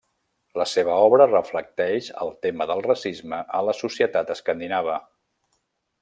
La seva obra reflecteix el tema del racisme a la societat escandinava.